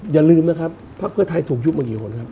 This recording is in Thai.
อย่าลืมนะครับภักดิ์เพื่อไทยถูกยุบมากี่คนครับ